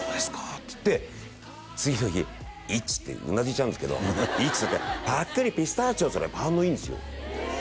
っつって次の日１ってうなずいちゃうんですけど１とってぱっくりピスタチオっつったら反応いいんですよ